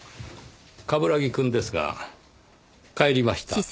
冠城くんですが帰りました。